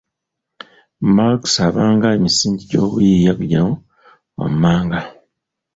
Malx abanga emisingi gy’obuyiiya gino wammanga: